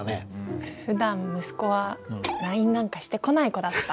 ふだん息子はＬＩＮＥなんかしてこない子だった。